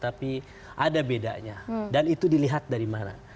tapi ada bedanya dan itu dilihat dari mana